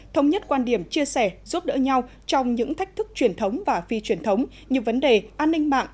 thống nhất quan điểm chia sẻ giúp đỡ nhau trong những thách thức truyền thống và phi truyền thống như vấn đề an ninh mạng